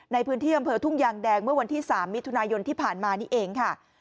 ในพื้นที่อำเภอทุ่งยางแดงเมื่อวันที่๓มิถุนายนที่ผ่านมานี่เองค่ะ